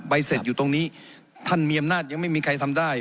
เสร็จอยู่ตรงนี้ท่านมีอำนาจยังไม่มีใครทำได้